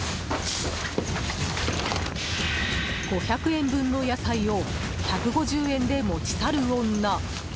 ５００円分の野菜を１５０円で持ち去る女。